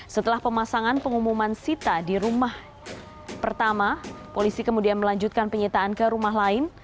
setelah pemasangan pengumuman sita di rumah pertama polisi kemudian melanjutkan penyitaan ke rumah lain